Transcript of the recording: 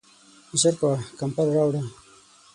ژر کوه ، کمپل راوړه !